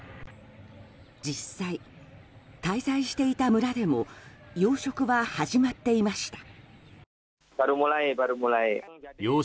実際、滞在していた村でも養殖は始まっていました。